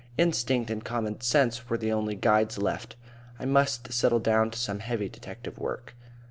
Instinct and common sense were the only guides left. I must settle down to some heavy detective work.